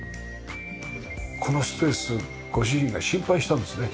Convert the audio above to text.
このスペースご主人が心配したんですね。